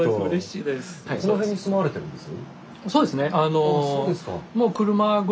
この辺に住まわれてるんです？